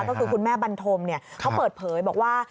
ก็คือคุณแม่บันธมเขาเปิดเผยบอกว่า